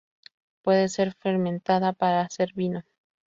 Puede ser fermentada para hacer vino.